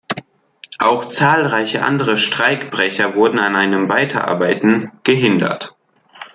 Auch zahlreiche andere Streikbrecher wurden an einem Weiterarbeiten gehindert.